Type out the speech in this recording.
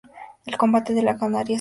El combate lo ganaría Stone Cold.